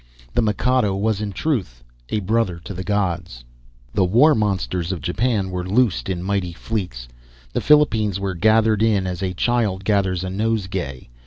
The Mikado was in truth a brother to the gods. The war monsters of Japan were loosed in mighty fleets. The Philippines were gathered in as a child gathers a nosegay.